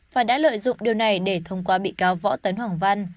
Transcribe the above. và đã lợi dụng điều này để thông qua bị cáo võ tấn hoàng văn